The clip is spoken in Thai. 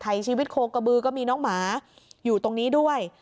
ชีวิตโคกระบือก็มีน้องหมาอยู่ตรงนี้ด้วย